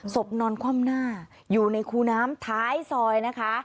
นอนคว่ำหน้าอยู่ในคูน้ำท้ายซอยนะคะ